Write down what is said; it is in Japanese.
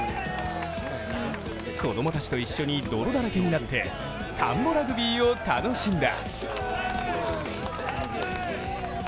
子供たちと一緒に泥だらけになってたんぼラグビーを楽しんだ。